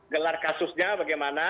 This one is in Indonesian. gelar kasusnya bagaimana